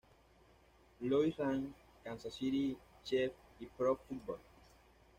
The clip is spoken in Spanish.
Louis Rams, Kansas City Chiefs y Pro-Football.